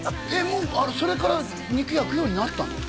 もうそれから肉焼くようになったの？